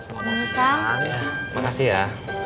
terima kasih ya